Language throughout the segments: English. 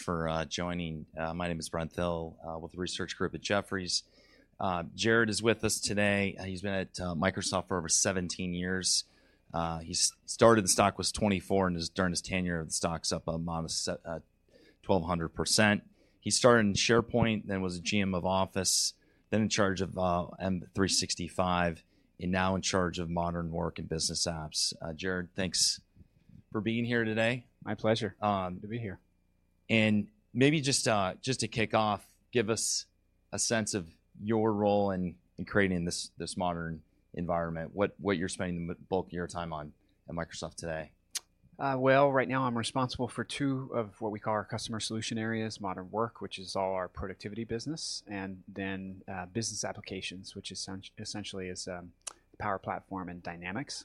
for joining. My name is Brent Thill, with the research group at Jefferies. Jared is with us today. He started, the stock was $24, and his, during his tenure, the stock's up a modest 1,200%. He started in SharePoint, then was a GM of Office, then in charge of M365, and now in charge of Modern Work and Business Apps. Jared, thanks for being here today. My pleasure, to be here. Maybe just to kick off, give us a sense of your role in creating this modern environment, what you're spending the bulk of your time on at Microsoft today? Well, right now I'm responsible for two of what we call our customer solution areas: Modern Work, which is all our productivity business, and then, Business Applications, which essentially is Power Platform and Dynamics.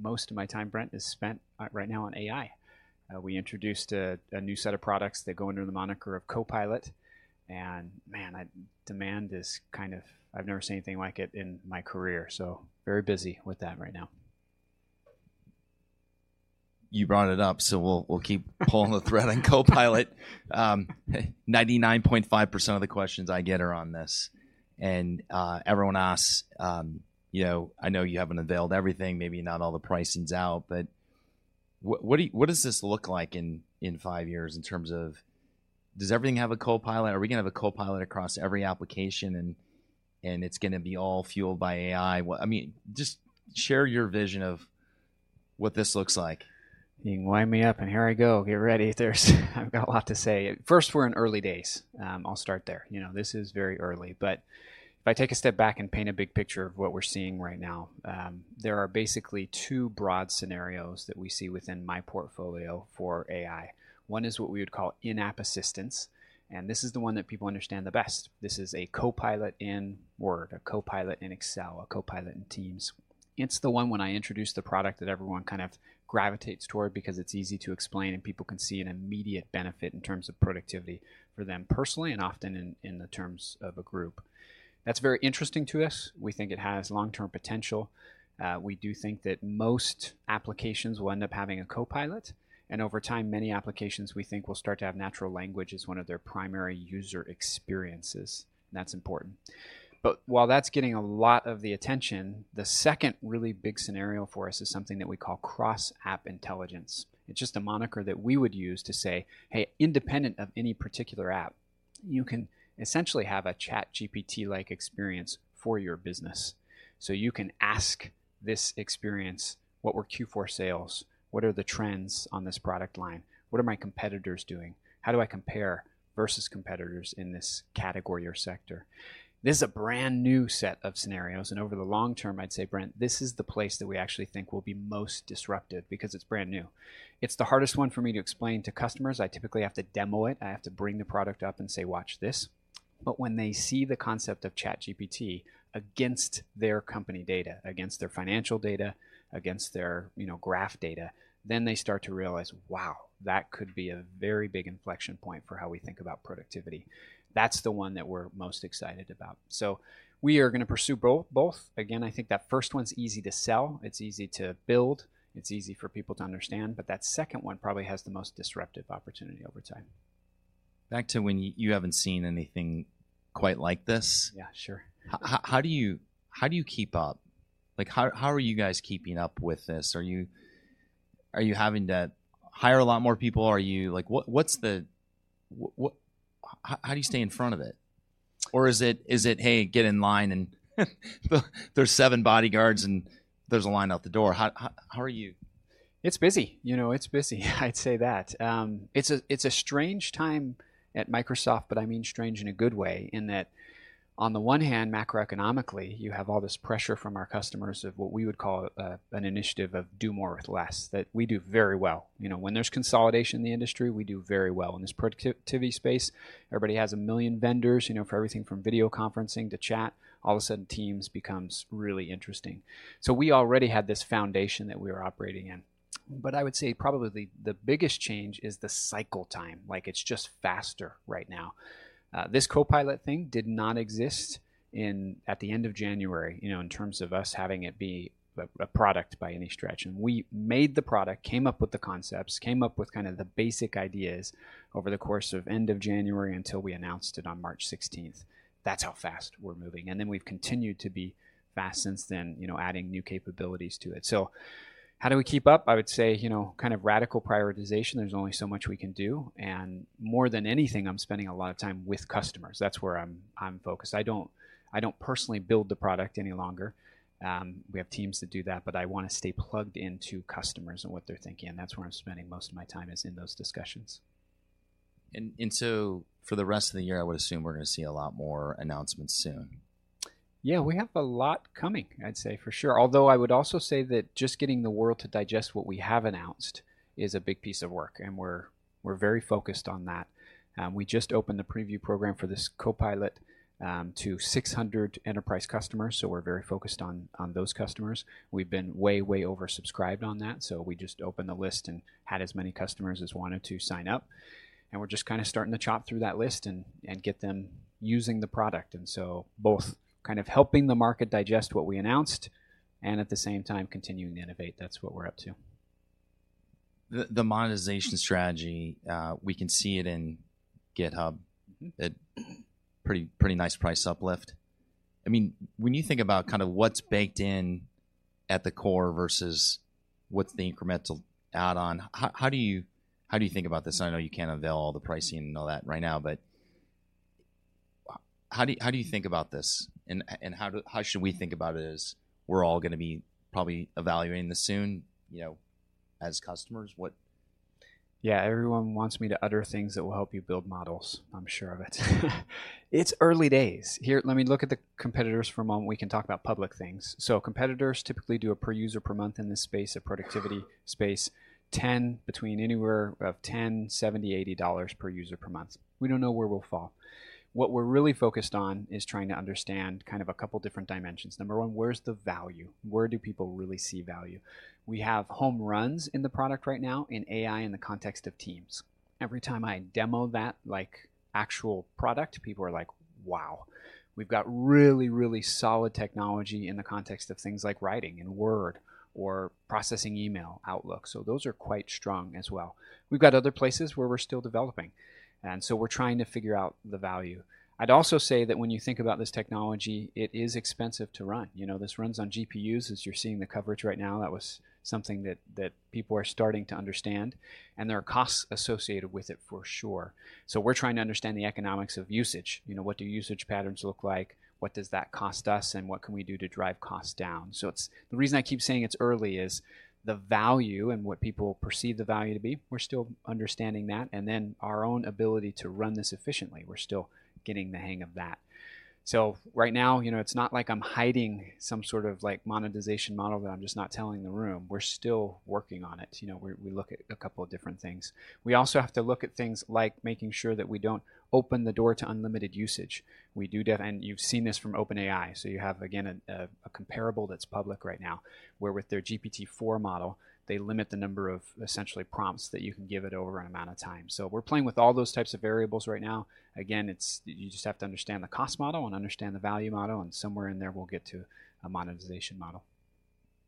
Most of my time, Brent, is spent right now on AI. We introduced a new set of products that go under the moniker of Copilot, and man, demand is kind of, I've never seen anything like it in my career, so very busy with that right now. You brought it up, so we'll keep pulling the thread on Copilot. 99.5% of the questions I get are on this, and everyone asks, you know, I know you haven't availed everything, maybe not all the pricing's out, but what does this look like in five years in terms of, does everything have a Copilot? Are we gonna have a Copilot across every application, and it's gonna be all fueled by AI? Well, I mean, just share your vision of what this looks like. You wind me up, and here I go. Get ready. I've got a lot to say. First, we're in early days. I'll start there. You know, this is very early, but if I take a step back and paint a big picture of what we're seeing right now, there are basically two broad scenarios that we see within my portfolio for AI. One is what we would call In-app assistance, and this is the one that people understand the best. This is a Copilot in Word, a Copilot in Excel, a Copilot in Teams. It's the one when I introduce the product that everyone kind of gravitates toward because it's easy to explain, and people can see an immediate benefit in terms of productivity for them personally and often in the terms of a group. That's very interesting to us. We think it has long-term potential. We do think that most applications will end up having a Copilot. Over time, many applications, we think, will start to have natural language as one of their primary user experiences, and that's important. While that's getting a lot of the attention, the second really big scenario for us is something that we call Cross-app intelligence. It's just a moniker that we would use to say, "Hey, independent of any particular app, you can essentially have a ChatGPT-like experience for your business." You can ask this experience, "What were Q4 sales? What are the trends on this product line? What are my competitors doing? How do I compare versus competitors in this category or sector?" This is a brand-new set of scenarios. Over the long term, I'd say, Brent, this is the place that we actually think will be most disruptive because it's brand new. It's the hardest one for me to explain to customers. I typically have to demo it. I have to bring the product up and say, "Watch this." When they see the concept of ChatGPT against their company data, against their financial data, against their, you know, graph data, then they start to realize, "Wow, that could be a very big inflection point for how we think about productivity." That's the one that we're most excited about, so we are gonna pursue both. Again, I think that first one's easy to sell, it's easy to build, it's easy for people to understand, but that second one probably has the most disruptive opportunity over time. Back to when you haven't seen anything quite like this. Yeah, sure. How do you keep up? Like, how are you guys keeping up with this? Are you having to hire a lot more people? What, how do you stay in front of it? Or is it, "Hey, get in line, and there's seven bodyguards, and there's a line out the door"? How are you? It's busy. You know, it's busy. I'd say that. It's a strange time at Microsoft, but I mean strange in a good way, in that, on the one hand, macroeconomically, you have all this pressure from our customers of what we would call an initiative of do more with less, that we do very well. You know, when there's consolidation in the industry, we do very well. In this productivity space, everybody has 1 million vendors, you know, for everything from video conferencing to chat. All of a sudden, Teams becomes really interesting. We already had this foundation that we were operating in. I would say probably the biggest change is the cycle time. Like, it's just faster right now. This Copilot thing did not exist at the end of January, you know, in terms of us having it be a product by any stretch. We made the product, came up with the concepts, came up with kind of the basic ideas over the course of end of January until we announced it on March 16th. That's how fast we're moving, and then we've continued to be fast since then, you know, adding new capabilities to it. How do we keep up? I would say, you know, kind of radical prioritization. There's only so much we can do, and more than anything, I'm spending a lot of time with customers. That's where I'm focused. I don't, I don't personally build the product any longer. We have teams that do that, but I wanna stay plugged into customers and what they're thinking, and that's where I'm spending most of my time is in those discussions. For the rest of the year, I would assume we're gonna see a lot more announcements soon. Yeah, we have a lot coming, I'd say, for sure. I would also say that just getting the world to digest what we have announced is a big piece of work, and we're very focused on that. We just opened the preview program for this Copilot to 600 enterprise customers, so we're very focused on those customers. We've been way oversubscribed on that, so we just opened the list and had as many customers as wanted to sign up, and we're just kind of starting to chop through that list and get them using the product. Both kind of helping the market digest what we announced and at the same time continuing to innovate. That's what we're up to. The monetization strategy, we can see it in GitHub. Mm-hmm. It pretty nice price uplift. I mean, when you think about kind of what's baked in at the core versus what's the incremental add-on, how do you think about this? I know you can't unveil all the pricing and all that right now, but how do you think about this? How should we think about it as we're all gonna be probably evaluating this soon, you know, as customers? Everyone wants me to utter things that will help you build models. I'm sure of it. It's early days. Here, let me look at the competitors for a moment, we can talk about public things. Competitors typically do a per user, per month in this space, a productivity space, 10 between anywhere of $10, $70, $80 per user per month. We don't know where we'll fall. What we're really focused on is trying to understand kind of a couple different dimensions. Number one, where's the value? Where do people really see value? We have home runs in the product right now in AI, in the context of Teams. Every time I demo that, like, actual product, people are like, "Wow!" We've got really solid technology in the context of things like writing in Word or processing email, Outlook. Those are quite strong as well. We've got other places where we're still developing, we're trying to figure out the value. I'd also say that when you think about this technology, it is expensive to run. You know, this runs on GPUs, as you're seeing the coverage right now. That was something that people are starting to understand, there are costs associated with it for sure. We're trying to understand the economics of usage. You know, what do usage patterns look like? What does that cost us, and what can we do to drive costs down? The reason I keep saying it's early is the value and what people perceive the value to be, we're still understanding that, our own ability to run this efficiently, we're still getting the hang of that. Right now, you know, it's not like I'm hiding some sort of like monetization model that I'm just not telling the room. We're still working on it. You know, we look at a couple of different things. We also have to look at things like making sure that we don't open the door to unlimited usage. We do that, and you've seen this from OpenAI, you have, again, a comparable that's public right now, where with their GPT-4 model, they limit the number of essentially prompts that you can give it over an amount of time. We're playing with all those types of variables right now. Again, you just have to understand the cost model and understand the value model, and somewhere in there, we'll get to a monetization model.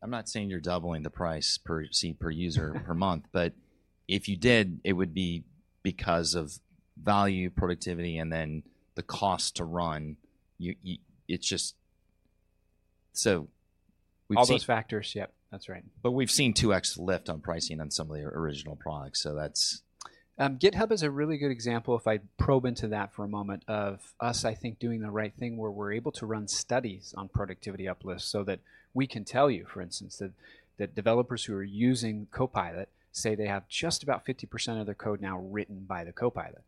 I'm not saying you're doubling the price per seat, per user, per month, but if you did, it would be because of value, productivity, and then the cost to run. You, it's just. We've seen. All those factors. Yep, that's right. We've seen 2x lift on pricing on some of the original products, so that's... GitHub is a really good example, if I probe into that for a moment, of us, I think, doing the right thing where we're able to run studies on productivity uplifts so that we can tell you, for instance, that developers who are using Copilot say they have just about 50% of their code now written by the Copilot.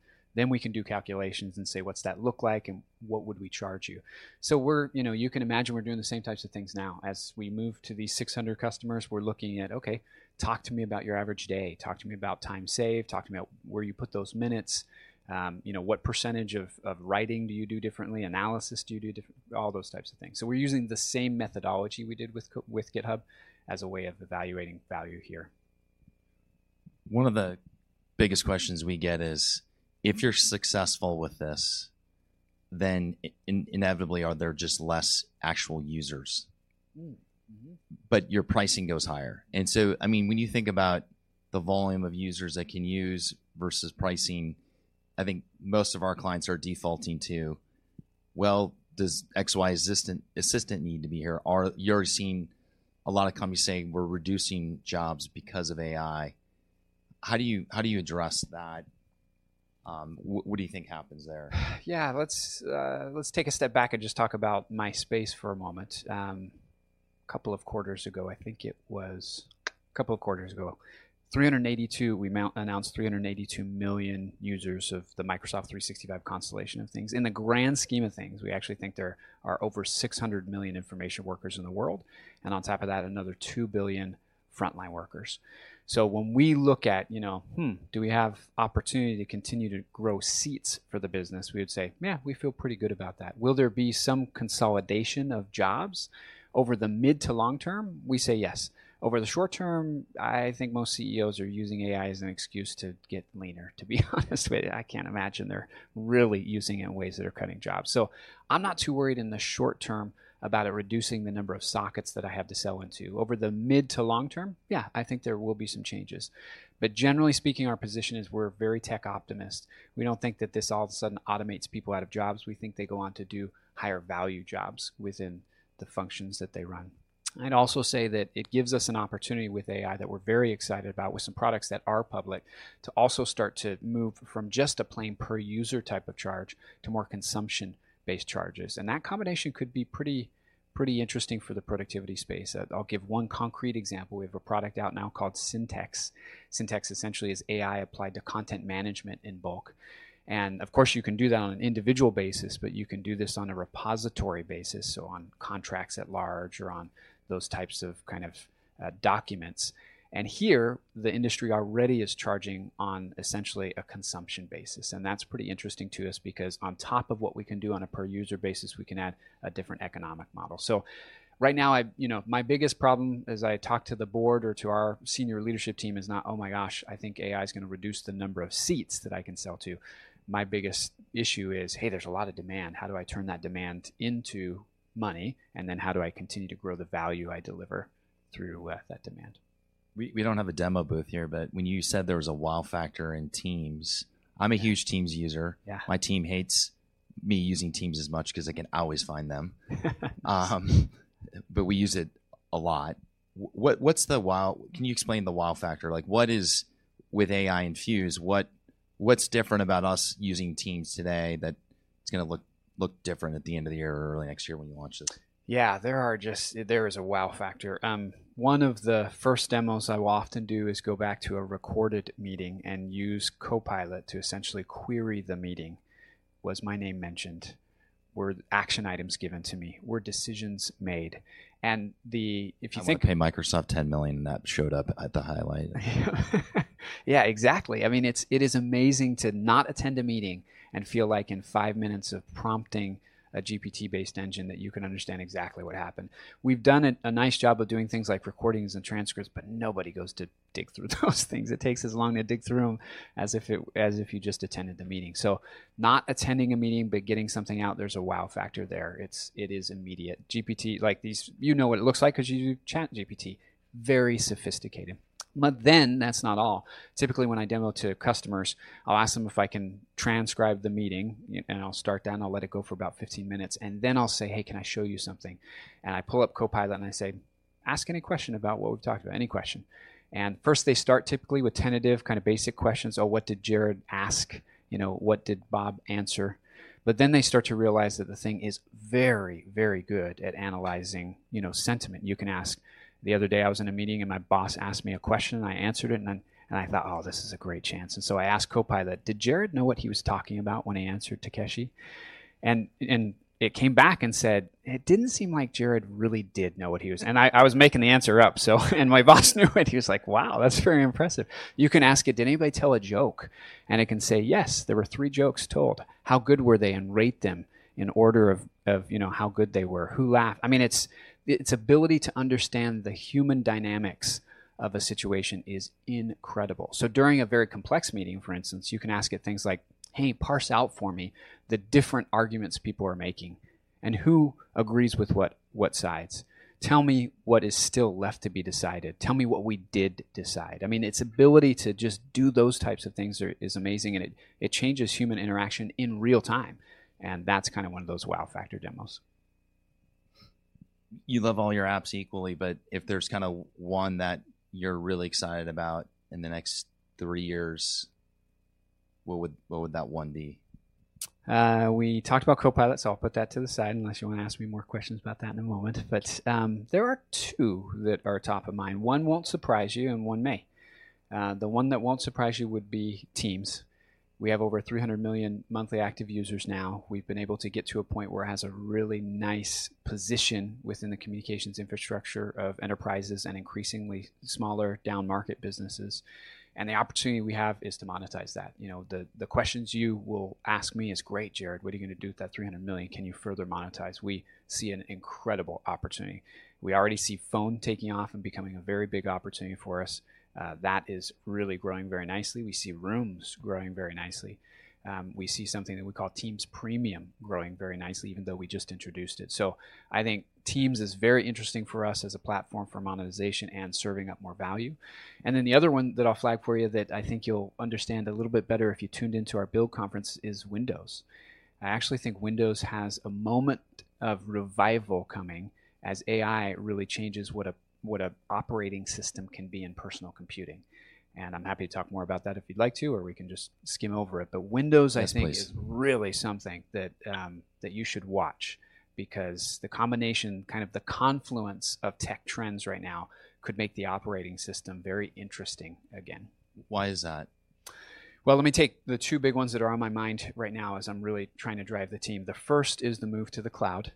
We can do calculations and say: What's that look like, and what would we charge you? We're, you know, you can imagine we're doing the same types of things now. As we move to these 600 customers, we're looking at, "Okay, talk to me about your average day, talk to me about time saved, talk to me about where you put those minutes. You know, what percentage of writing do you do differently? Analysis do you do different?" All those types of things. We're using the same methodology we did with GitHub as a way of evaluating value here. One of the biggest questions we get is, if you're successful with this, then inevitably, are there just less actual users? Mm. Mm-hmm. Your pricing goes higher. I mean, when you think about the volume of users that can use versus pricing, I think most of our clients are defaulting to, well, does XY assistant need to be here? You're seeing a lot of companies saying: We're reducing jobs because of AI. How do you address that? What do you think happens there? Yeah, let's take a step back and just talk about my space for a moment. A couple of quarters ago, I think it was a couple of quarters ago, we announced 382 million users of the Microsoft 365 constellation of things. In the grand scheme of things, we actually think there are over 600 million information workers in the world, and on top of that, another 2 billion frontline workers. When we look at, you know, "Hmm, do we have opportunity to continue to grow seats for the business?" We would say, "Yeah, we feel pretty good about that." Will there be some consolidation of jobs over the mid to long term? We say yes. Over the short term, I think most CEOs are using AI as an excuse to get leaner, to be honest with you. I can't imagine they're really using it in ways that are cutting jobs. I'm not too worried in the short term about it reducing the number of sockets that I have to sell into. Over the mid to long term, yeah, I think there will be some changes, but generally speaking, our position is we're very tech optimist. We don't think that this all of a sudden automates people out of jobs. We think they go on to do higher value jobs within the functions that they run. I'd also say that it gives us an opportunity with AI that we're very excited about, with some products that are public, to also start to move from just a plain per user type of charge to more consumption-based charges. That combination could be pretty interesting for the productivity space. I'll give one concrete example. We have a product out now called Syntex. Syntex essentially is AI applied to content management in bulk. Of course, you can do that on an individual basis, but you can do this on a repository basis, so on contracts at large or on those types of kind of documents. Here, the industry already is charging on essentially a consumption basis, and that's pretty interesting to us because on top of what we can do on a per user basis, we can add a different economic model. Right now, you know, my biggest problem as I talk to the board or to our senior leadership team is not, "Oh my gosh, I think AI is gonna reduce the number of seats that I can sell to." My biggest issue is, hey, there's a lot of demand. How do I turn that demand into money? How do I continue to grow the value I deliver through that demand? We don't have a demo booth here, but when you said there was a wow factor in Teams, I'm a huge Teams user. Yeah. My team hates me using Teams as much ’cause I can always find them. We use it a lot. Can you explain the wow factor? Like, what is, with AI infused, what’s different about us using Teams today that it’s gonna look different at the end of the year or early next year when you launch this? Yeah, there is a wow factor. One of the first demos I will often do is go back to a recorded meeting and use Copilot to essentially query the meeting. Was my name mentioned? Were action items given to me? Were decisions made? If you think, I wanna pay Microsoft $10 million that showed up at the highlight. Yeah, exactly. I mean, it's, it is amazing to not attend a meeting and feel like in 5 minutes of prompting a GPT-based engine, that you can understand exactly what happened. We've done a nice job of doing things like recordings and transcripts, but nobody goes to dig through those things. It takes as long to dig through them as if you just attended the meeting. Not attending a meeting, but getting something out, there's a wow factor there. It is immediate. GPT, like these. You know what it looks like 'cause you do ChatGPT, very sophisticated. That's not all. Typically, when I demo to customers, I'll ask them if I can transcribe the meeting, and I'll start down, I'll let it go for about 15 minutes, and then I'll say, "Hey, can I show you something?" I pull up Copilot, and I say, "Ask any question about what we've talked about. Any question." First, they start typically with tentative, kind of basic questions: Oh, what did Jared ask? You know, what did Bob answer? They start to realize that the thing is very, very good at analyzing, you know, sentiment. You can ask. The other day, I was in a meeting, and my boss asked me a question, and I answered it, then I thought, "Oh, this is a great chance." So I asked Copilot, "Did Jared know what he was talking about when he answered Takeshi?" It came back and said, "It didn't seem like Jared really did know what he was..." I was making the answer up, so, and my boss knew it. He was like, "Wow, that's very impressive." You can ask it, "Did anybody tell a joke?" It can say, "Yes, there were three jokes told. How good were they? And rate them in order of, you know, how good they were. Who laughed?" I mean, its ability to understand the human dynamics of a situation is incredible. During a very complex meeting, for instance, you can ask it things like, "Hey, parse out for me the different arguments people are making, and who agrees with what sides? Tell me what is still left to be decided. Tell me what we did decide." I mean, its ability to just do those types of things is amazing, and it changes human interaction in real time, and that's kind of one of those wow factor demos. You love all your apps equally, but if there's kinda one that you're really excited about in the next three years, what would that one be? We talked about Copilot, so I'll put that to the side, unless you want to ask me more questions about that in a moment. There are two that are top of mind. One won't surprise you, and one may. The one that won't surprise you would be Teams. We have over 300 million monthly active users now. We've been able to get to a point where it has a really nice position within the communications infrastructure of enterprises and increasingly smaller down-market businesses, and the opportunity we have is to monetize that. You know, the questions you will ask me is: "Great, Jared, what are you gonna do with that 300 million? Can you further monetize?" We see an incredible opportunity. We already see Phone taking off and becoming a very big opportunity for us. That is really growing very nicely. We see Rooms growing very nicely. We see something that we call Teams Premium growing very nicely, even though we just introduced it. I think Teams is very interesting for us as a platform for monetization and serving up more value. The other one that I'll flag for you that I think you'll understand a little bit better if you tuned into our Build conference, is Windows. I actually think Windows has a moment of revival coming, as AI really changes what a operating system can be in personal computing. I'm happy to talk more about that if you'd like to, or we can just skim over it. Windows. Yes, please. I think, is really something that you should watch because the combination, kind of the confluence of tech trends right now, could make the operating system very interesting again. Why is that? Well, let me take the two big ones that are on my mind right now as I'm really trying to drive the team. The first is the move to the cloud.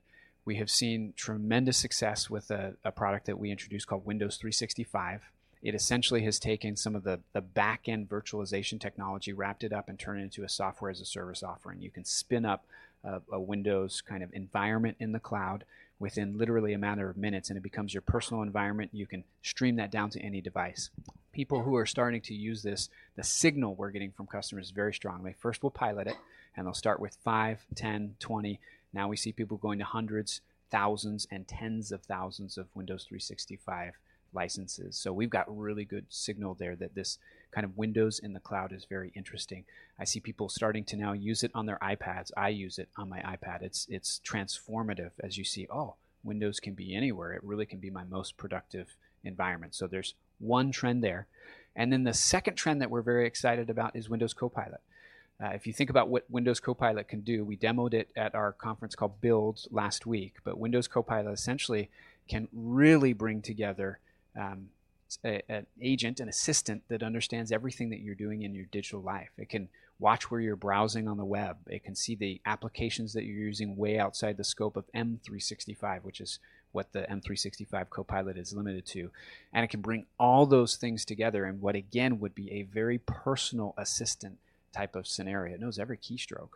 We have seen tremendous success with a product that we introduced called Windows 365. It essentially has taken some of the back-end virtualization technology, wrapped it up, and turned it into a software-as-a-service offering. You can spin up a Windows kind of environment in the cloud within literally a matter of minutes, and it becomes your personal environment. You can stream that down to any device. People who are starting to use this, the signal we're getting from customers is very strong. They first will pilot it, and they'll start with 5, 10, 20. Now we see people going to hundreds, thousands, and tens of thousands of Windows 365 licenses. We've got really good signal there that this kind of Windows in the cloud is very interesting. I see people starting to now use it on their iPads. I use it on my iPad. It's transformative as you see, oh, Windows can be anywhere. It really can be my most productive environment. There's one trend there, and then the second trend that we're very excited about is Windows Copilot. If you think about what Windows Copilot can do, we demoed it at our conference called Build last week. Windows Copilot essentially can really bring together a, an agent and assistant that understands everything that you're doing in your digital life. It can watch where you're browsing on the web. It can see the applications that you're using way outside the scope of M365, which is what the M365 Copilot is limited to, and it can bring all those things together in what, again, would be a very personal assistant type of scenario. It knows every keystroke.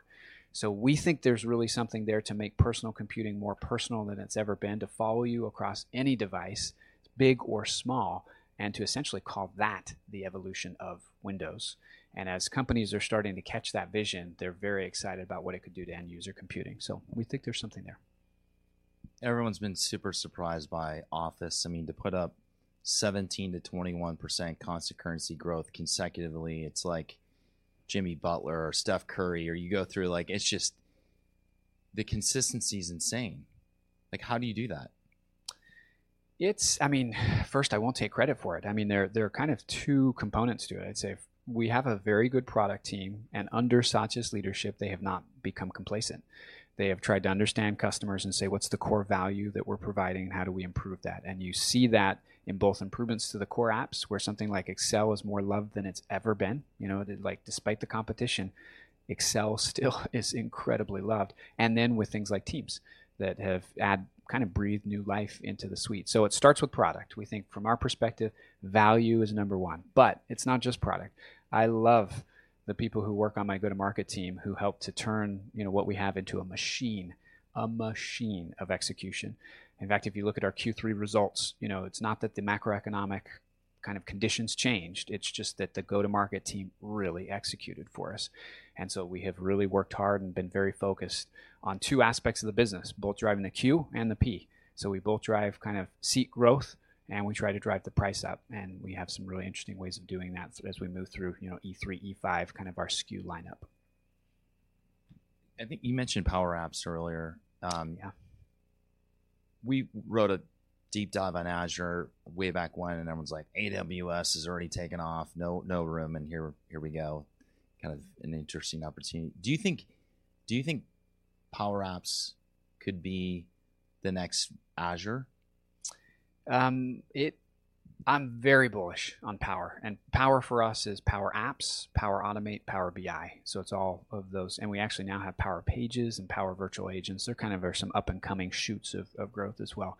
We think there's really something there to make personal computing more personal than it's ever been, to follow you across any device, big or small, and to essentially call that the evolution of Windows. As companies are starting to catch that vision, they're very excited about what it could do to end-user computing. We think there's something there. Everyone's been super surprised by Office. I mean, to put up 17% to 21% constant currency growth consecutively, it's like Jimmy Butler or Steph Curry, or you go through, like, it's just the consistency is insane. Like, how do you do that? I mean, first, I won't take credit for it. I mean, there are kind of two components to it. I'd say we have a very good product team, and under Satya's leadership, they have not become complacent. They have tried to understand customers and say: "What's the core value that we're providing? How do we improve that?" You see that in both improvements to the core apps, where something like Excel is more loved than it's ever been. You know, like, despite the competition, Excel still is incredibly loved. Then with things like Teams that have kinda breathed new life into the suite. It starts with product. We think from our perspective, value is number one, but it's not just product. I love the people who work on my go-to-market team, who help to turn, you know, what we have into a machine, a machine of execution. In fact, if you look at our Q3 results, you know, it's not that the macroeconomic kind of conditions changed, it's just that the go-to-market team really executed for us. We have really worked hard and been very focused on two aspects of the business, both driving the Q and the P. We both drive, kind of, seek growth, and we try to drive the price up, and we have some really interesting ways of doing that as we move through, you know, E3, E5, kind of our SKU lineup. I think you mentioned Power Apps earlier. Yeah. We wrote a deep dive on Azure way back when, everyone's like: "AWS has already taken off. No, no room, and here we go." Kind of an interesting opportunity. Do you think Power Apps could be the next Azure? I'm very bullish on Power, and Power for us is Power Apps, Power Automate, Power BI, so it's all of those. We actually now have Power Pages and Power Virtual Agents. They're kind of are some up-and-coming shoots of growth as well.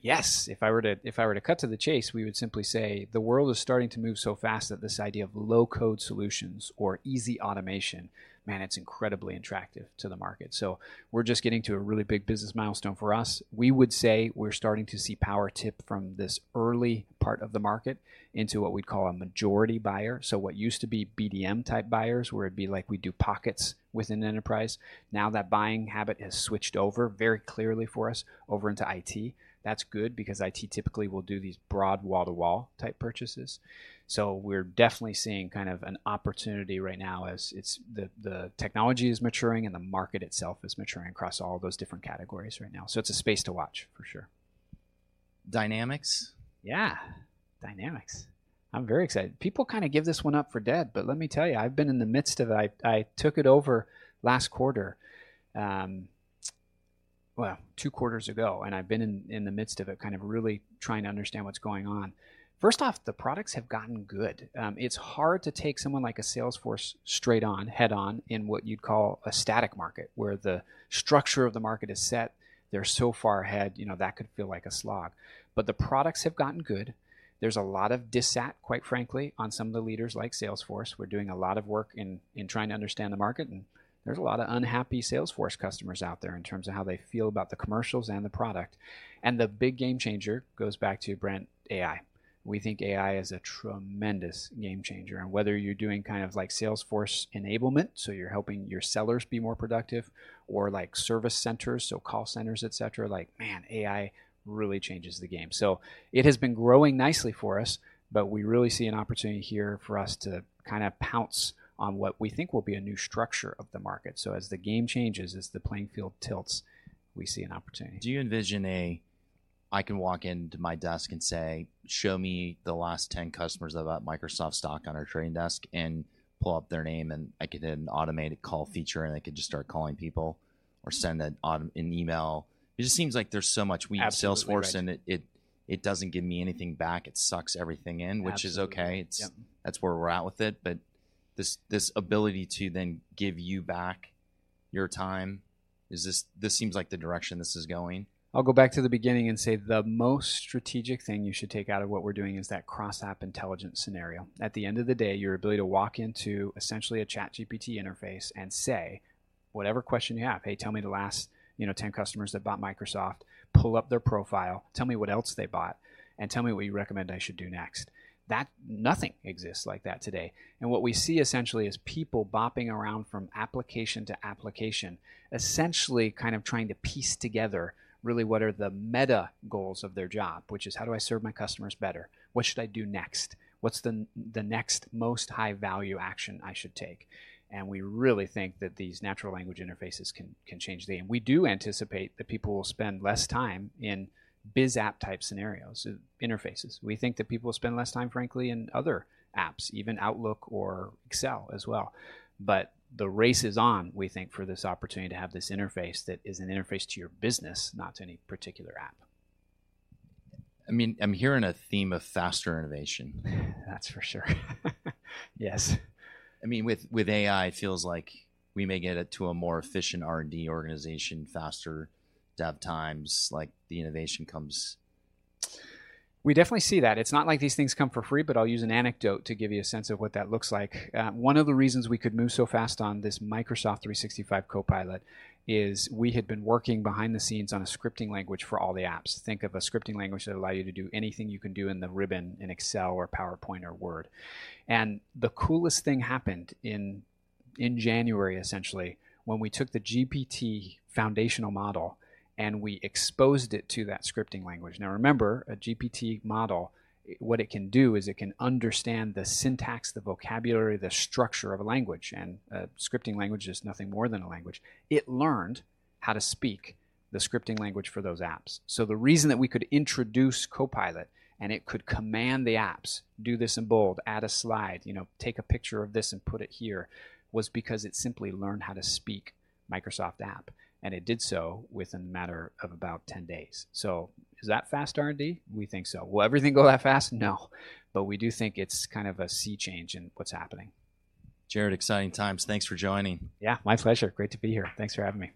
Yes, if I were to cut to the chase, we would simply say the world is starting to move so fast that this idea of low-code solutions or easy automation, man, it's incredibly attractive to the market. We're just getting to a really big business milestone for us. We would say we're starting to see Power tip from this early part of the market into what we'd call a majority buyer. What used to be BDM-type buyers, where it'd be like we do pockets with an enterprise, now that buying habit has switched over very clearly for us over into IT. That's good, because IT typically will do these broad wall-to-wall type purchases. We're definitely seeing kind of an opportunity right now as the technology is maturing, and the market itself is maturing across all those different categories right now. It's a space to watch, for sure. Dynamics? Yeah, Dynamics. I'm very excited. People kinda give this one up for dead, but let me tell you, I've been in the midst of it. I took it over last quarter, well, two quarters ago, and I've been in the midst of it, kind of really trying to understand what's going on. First off, the products have gotten good. It's hard to take someone like a Salesforce straight on, head-on in what you'd call a static market, where the structure of the market is set. They're so far ahead, you know, that could feel like a slog. The products have gotten good. There's a lot of dissat, quite frankly, on some of the leaders, like Salesforce. We're doing a lot of work in trying to understand the market, and there's a lot of unhappy Salesforce customers out there in terms of how they feel about the commercials and the product. The big game changer goes back to, Brent, AI. We think AI is a tremendous game changer, and whether you're doing kind of like Salesforce enablement, so you're helping your sellers be more productive, or like service centers, so call centers, et cetera, man, AI really changes the game. It has been growing nicely for us, but we really see an opportunity here for us to kinda pounce on what we think will be a new structure of the market. As the game changes, as the playing field tilts, we see an opportunity. Do you envision, I can walk into my desk and say, "Show me the last 10 customers that bought Microsoft stock on our trading desk," and pull up their name, and I can hit an automated call feature, and I can just start calling people or send it on an email? It just seems like there's so much Absolutely. we at Salesforce, and it doesn't give me anything back. It sucks everything in. Absolutely. which is okay. Yep. That's where we're at with it. This, this ability to then give you back your time, is this seems like the direction this is going. I'll go back to the beginning and say the most strategic thing you should take out of what we're doing is that Cross-app intelligence scenario. At the end of the day, your ability to walk into essentially a ChatGPT interface and say whatever question you have, "Hey, tell me the last, you know, 10 customers that bought Microsoft. Pull up their profile, tell me what else they bought, and tell me what you recommend I should do next." That nothing exists like that today. What we see essentially is people bopping around from application to application, essentially kind of trying to piece together really what are the meta goals of their job, which is: How do I serve my customers better? What should I do next? What's the next most high-value action I should take? We really think that these natural language interfaces can change the game. We do anticipate that people will spend less time in biz app type scenarios, interfaces. We think that people will spend less time, frankly, in other apps, even Outlook or Excel as well. The race is on, we think, for this opportunity to have this interface that is an interface to your business, not to any particular app. I mean, I'm hearing a theme of faster innovation. That's for sure. Yes. I mean, with AI, it feels like we may get it to a more efficient R&D organization, faster dev times, like, the innovation comes... We definitely see that. It's not like these things come for free, but I'll use an anecdote to give you a sense of what that looks like. One of the reasons we could move so fast on this Microsoft 365 Copilot is we had been working behind the scenes on a scripting language for all the apps. Think of a scripting language that allow you to do anything you can do in the ribbon in Excel or PowerPoint or Word. The coolest thing happened in January, essentially, when we took the GPT foundational model, and we exposed it to that scripting language. Now, remember, a GPT model, what it can do is it can understand the syntax, the vocabulary, the structure of a language, and a scripting language is nothing more than a language. It learned how to speak the scripting language for those apps. The reason that we could introduce Copilot, and it could command the apps, do this in bold, add a slide, you know, take a picture of this and put it here, was because it simply learned how to speak Microsoft App, and it did so within a matter of about 10 days. Is that fast R&D? We think so. Will everything go that fast? No, but we do think it's kind of a sea change in what's happening. Jared, exciting times. Thanks for joining. Yeah, my pleasure. Great to be here. Thanks for having me.